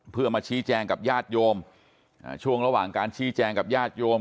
เพื่อมาชี้แจงกับญาติโยมช่วงระหว่างการชี้แจงกับญาติโยม